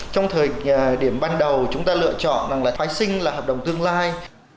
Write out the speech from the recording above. trong thời điểm ban đầu chúng ta lựa chọn rằng là phái sinh là hợp đồng tương lai